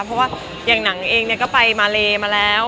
เพราะว่าอย่างหนังเองเนี่ยก็ไปมาเลมาแล้ว